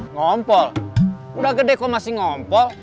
ngompol udah gede kok masih ngompol